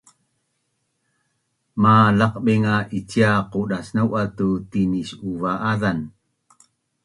Malaqbing nga icia qudas nau’az tu tinis’uva’azan